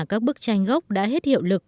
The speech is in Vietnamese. các bức tranh gốc đã hết hiệu lực